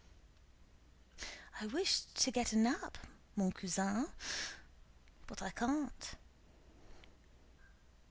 "I wished to get a nap, mon cousin, but I can't."